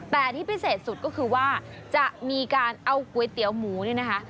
แต่ที่พิเศษสุดก็คือว่าจะมีการเอาก๋วยเตี๋ยวหมูเนี่ยนะคะ